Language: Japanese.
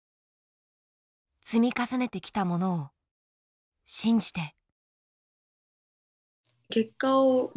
積み重ねてきたものを信じて。